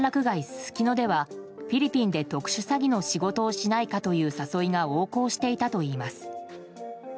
すすきのではフィリピンで特殊詐欺の仕事をしないかという誘いが横行していたといいます。